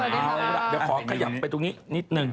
เดี๋ยวขอขยับไปตรงนี้นิดนึง